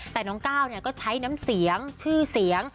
แต่น้องก้าวก็ใช้น้ำเสียงชื่อเสียง